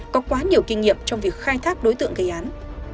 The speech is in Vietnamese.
có quá nhiều kinh nghiệm trong việc khai thác đối tượng gây án